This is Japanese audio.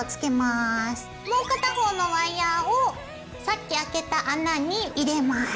もう片方のワイヤーをさっきあけた穴に入れます。